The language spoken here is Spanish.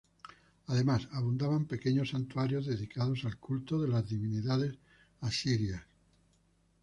Además, abundaban pequeños santuarios dedicados al culto de las divinidades asirias.